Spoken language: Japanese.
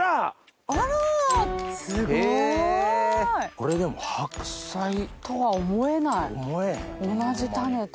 これでも白菜？とは思えない同じ種とは。